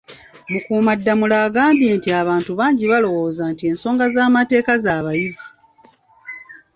Mukuumaddamula agambye nti abantu bangi balowooza nti ensonga z'amateeka z'abayivu